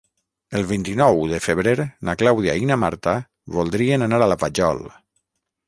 El vint-i-nou de febrer na Clàudia i na Marta voldrien anar a la Vajol.